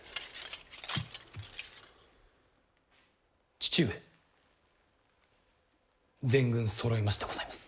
父上全軍そろいましてございます。